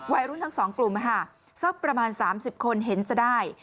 วัยรุ่นทั้ง๒กลุ่มสักประมาณ๓๐คนเห็นจะได้